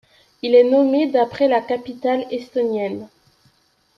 Il est nommé d'après la capitale estonienne.